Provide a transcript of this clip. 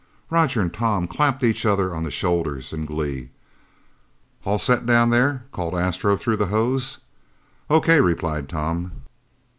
Roger and Tom clapped each other on the shoulders in glee. "All set down there?" called Astro, through the hose. "O.K." replied Tom.